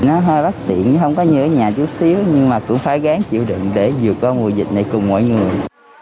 nó hơi bất tiện không có như ở nhà chút xíu nhưng mà tôi phải gán chịu đựng để vượt qua mùa dịch này cùng mọi người